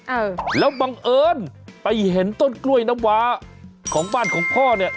เออแล้วบังเอิญไปเห็นต้นกล้วยน้ำวาของบ้านของพ่อเนี่ย